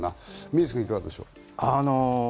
宮崎さん、いかがでしょう？